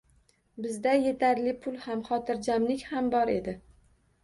Bizda yetarli pul ham, xotirjamlik ham bor edi.